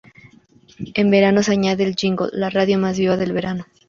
En verano, se añade el jingle: "La radio más viva del verano".